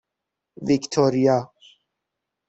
ویکتوریا